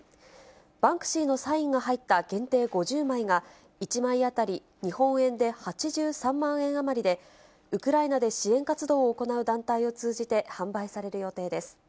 バンクシーのサインが入った限定５０枚が、１枚当たり日本円で８３万円余りで、ウクライナで支援活動を行う団体を通じて、販売される予定です。